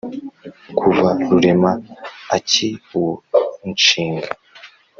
kuva rurema akiwunshinga.